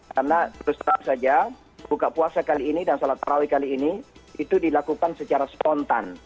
karena terus terang saja buka puasa kali ini dan salat tarawih kali ini itu dilakukan secara spontan